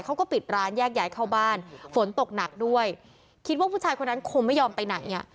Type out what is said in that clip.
เขาก็ปิดร้านแยกย้ายเข้าบ้านฝนตกหนักด้วยคิดว่าผู้ชายคนนั้นคงไม่ยอมไปไหนอ่ะ